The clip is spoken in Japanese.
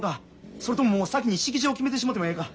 それとも先に式場決めてしもてもええか？